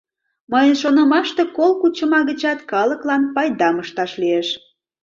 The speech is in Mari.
Мыйын шонымаште, кол кучыма гычат калыклан пайдам ышташ лиеш.